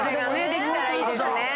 できたらいいですね。